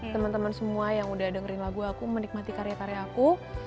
teman teman semua yang udah dengerin lagu aku menikmati karya karya aku